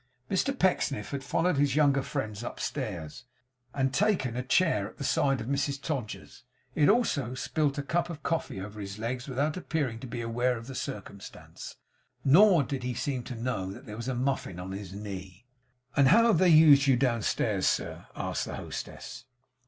Mr Pecksniff had followed his younger friends upstairs, and taken a chair at the side of Mrs Todgers. He had also spilt a cup of coffee over his legs without appearing to be aware of the circumstance; nor did he seem to know that there was muffin on his knee. 'And how have they used you downstairs, sir?' asked the hostess.